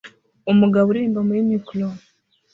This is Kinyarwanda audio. Umugabo uririmba muri mikoro